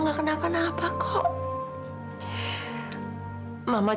saya hanya berpikir pada masa depan kamu dengan fadil